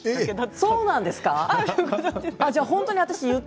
そうなんですって。